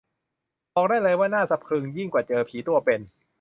บอกได้เลยว่าน่าสะพรึงยิ่งกว่าเจอผีตัวเป็น